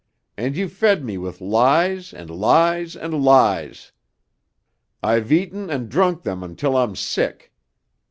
And you fed me with lies and lies and lies. I've eaten and drunk them until I'm sick.